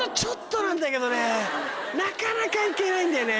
なかなか行けないんだよね。